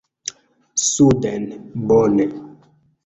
“Suden”, bone.